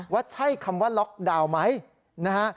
ว่าใช่คำว่าล็อกดาวน์ไหมนะฮะ